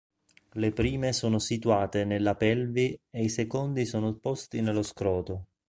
Le prime sono situate nella pelvi e i secondi sono posti nello scroto.